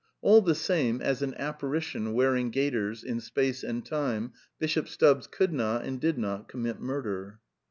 All the same, as an apparition (wearing gaiters), in space and time. Bishop Stubbs could not, and did not, commit murder.